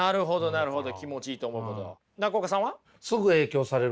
なるほど。